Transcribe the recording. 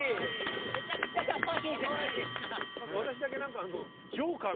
めちゃくちゃかわいいじゃないですか。